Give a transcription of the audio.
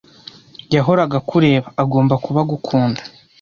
Yahoraga akureba. Agomba kuba agukunda